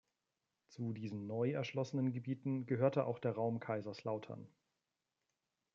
Zu diesen neu erschlossenen Gebieten gehörte auch der Raum Kaiserslautern.